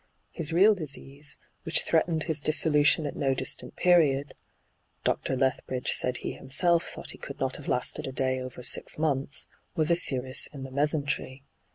His real hyGoo>^lc ENTRAPPED 63 disease, which threatened his dissolution at no distant period — Dr. Lethbridge said he himself thought he could not have lasted a day over six months — was a scirrhus in the mesentery.